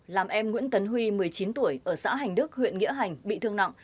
làm em nguyễn tấn huy một mươi chín tuổi ở xã hành đức huyện nghĩa hành bị thương nặng